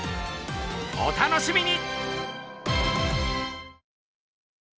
お楽しみに！